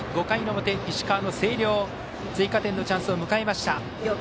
５回の表石川、星稜、追加点のチャンスを迎えました。